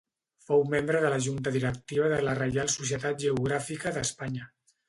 Fou membre de la junta directiva de la Reial Societat Geogràfica d'Espanya.